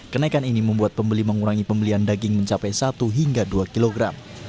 kenaikan ini membuat pembeli mengurangi pembelian daging mencapai satu hingga dua kilogram